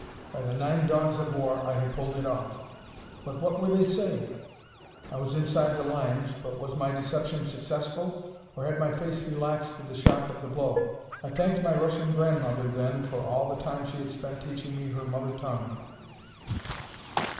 By the Nine Dogs of War, I had pulled it off! But what were they saying? I was inside the lines, but was my deception successful? Or had my face relaxed with the shock of the blow? I thanked my Russian grandmother then for all the time she had spent teaching me her mother tongue.